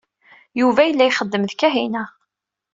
Yuba yella ixeddem d Kahina.